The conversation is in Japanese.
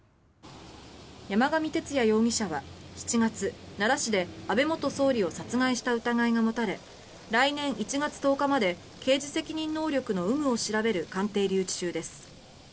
山上徹也容疑者は７月、奈良市で安倍元総理を殺害した疑いが持たれ来年１月１０日まで刑事責任能力の有無を調べる鑑定留置中です。